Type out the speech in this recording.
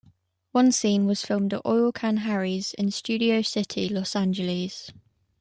One scene was filmed at Oil Can Harry's in Studio City, Los Angeles.